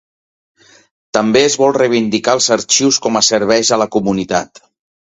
També es vol reivindicar els arxius com a serveis a la comunitat.